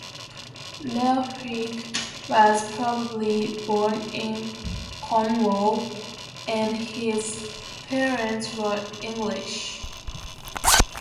Leofric was probably born in Cornwall, and his parents were English.